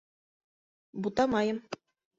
Бутамайым.